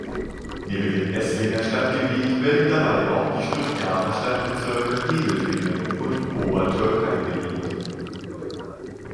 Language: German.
Neben dem Esslinger Stadtgebiet werden dabei auch die Stuttgarter Stadtbezirke Hedelfingen und Obertürkheim bedient.